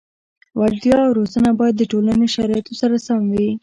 وړتیا او روزنه باید د ټولنې شرایطو سره سم وي.